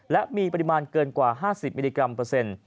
และมีปริมาณเกินกว่า๕๐มิลลิกรัมเปอร์เซ็นต์